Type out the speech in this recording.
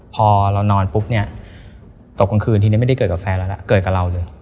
พอเรานอนปุ๊บเนี่ยตกกลางคืนทีนี้ไม่ได้เกิดกับแฟนแล้วนะเกิดกับเราเลย